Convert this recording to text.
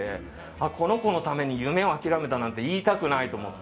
この子のために夢を諦めたなんて言いたくないって思って。